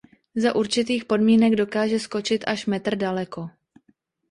Za určitých podmínek dokáže skočit až metr daleko.